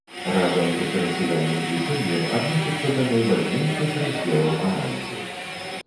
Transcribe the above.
Разам з дыферэнцыяльным злічэннем адносіцца да найважнейшых раздзелаў аналізу.